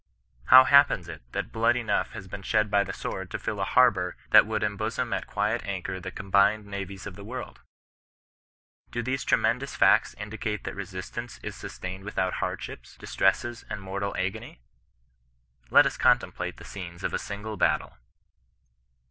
How happens it that blood enough has been shed by the sword to fill a harbour that would em bosom at quiet anchor the combined navies of the world ? Po these tremendous facts indicate that resistance is sus tained without hardships, distresses and mortal agony ? Let us contemplate the scenes of a single battle.